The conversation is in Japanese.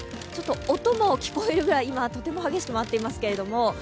ちょっと音も聞こえるぐらい、今、とても激しく回ってますけれども。